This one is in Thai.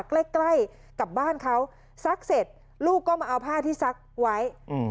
ใกล้ใกล้กับบ้านเขาซักเสร็จลูกก็มาเอาผ้าที่ซักไว้อืม